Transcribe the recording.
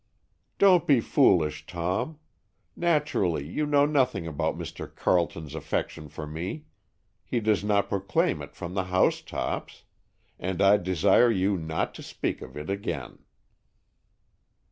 "Don't be foolish, Tom. Naturally you know nothing about Mr. Carleton's affection for me—he does not proclaim it from the housetops. And I desire you not to speak of it again."